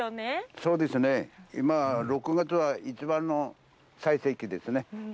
そうですね、今、６月は一番の最盛期ですね。